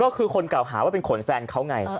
ก็คือคนเก่าหาว่าเป็นขนแฟนเขาไง